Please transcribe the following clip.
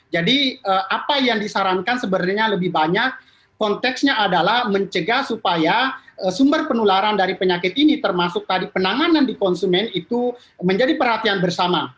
jadi apa yang disarankan sebenarnya lebih banyak konteksnya adalah mencegah supaya sumber penularan dari penyakit ini termasuk tadi penanganan di konsumen itu menjadi perhatian bersama